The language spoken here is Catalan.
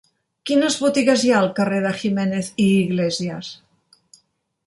Quines botigues hi ha al carrer de Jiménez i Iglesias?